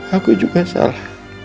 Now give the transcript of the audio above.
aku juga salah